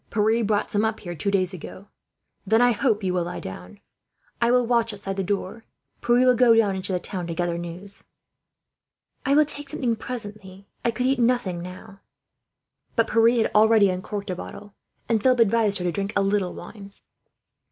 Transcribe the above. Pierre brought some up here, two days ago. Then I hope you will lie down. I will watch outside the door. Pierre will go down into the town, to gather news." "I will take something presently," she said. "I could eat nothing, now." But Pierre had already uncorked a bottle, and Philip advised her to drink a little wine.